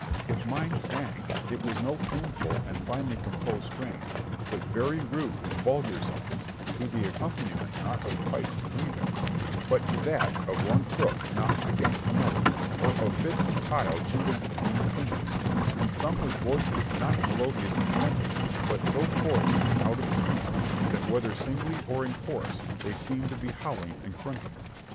If mine sang, it was no tuneful and finely composed strains, but very rude and vulgar songs, to the accompaniment not of pipes and rebecks, but to that of one crook knocked against another, or of bits of tile jingled between the fingers, and sung with voices not melodious and tender, but so coarse and out of tune, that whether singly or in chorus, they seemed to be howling or grunting.